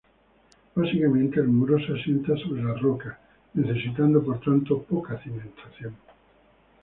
Básicamente el muro se asienta sobre la roca, necesitando por tanto poca cimentación.